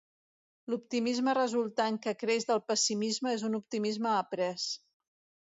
L"optimisme resultant que creix del pessimisme és un optimisme après.